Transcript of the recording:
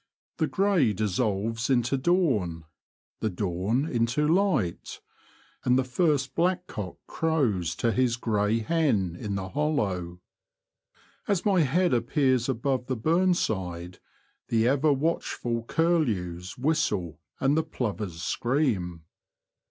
The grey dissolves into dawn, the dawn into light, and the first blackcock crows to his grey hen in the hollow. As my head appears above the burn side, the ever watchful curlews whistle and the plovers scream.